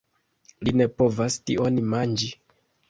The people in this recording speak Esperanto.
Li ne povas tion manĝi!